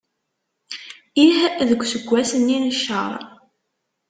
Ih, deg useggas-nni n cceṛ.